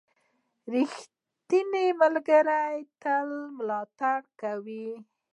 • ریښتینی ملګری تل ملاتړ کوي.